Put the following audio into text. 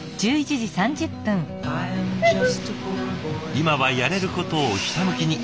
今はやれることをひたむきに。